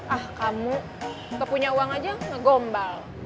ah kamu kepunya uang aja ngegombal